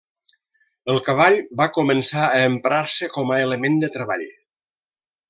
El cavall va començar a emprar-se com a element de treball.